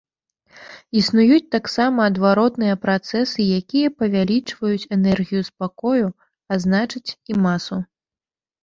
Існуюць таксама адваротныя працэсы, якія павялічваюць энергію спакою, а значыць і масу.